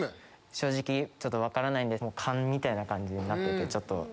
正直ちょっと分からないんで勘みたいな感じになっていて。